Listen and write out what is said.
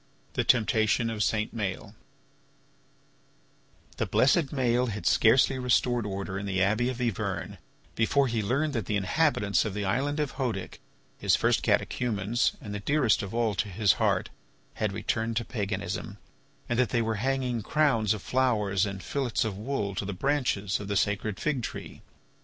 THE TEMPTATION OF SAINT MAËL The blessed Maël had scarcely restored order in the Abbey of Yvern before he learned that the inhabitants of the island of Hœdic, his first catechumens and the dearest of all to his heart, had returned to paganism, and that they were hanging crowns of flowers and fillets of wool to the branches of the sacred fig tree.